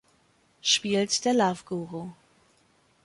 Spielt der Love Guru